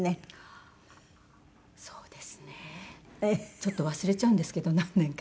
ちょっと忘れちゃうんですけど何年か。